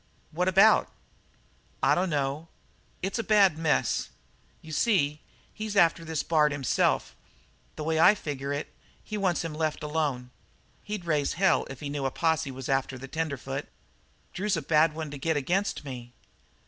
"What about?" "I dunno why. It's a bad mess. You see, he's after this Bard himself, the way I figure it, and he wants him left alone. He'd raise hell if he knew a posse was after the tenderfoot." "Drew's a bad one to get against me."